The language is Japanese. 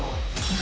何？